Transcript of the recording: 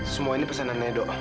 semua ini pesanannya do